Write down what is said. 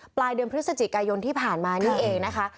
ปลายเดือนพฤศจิกายนที่ผ่านมานี่เองนะคะ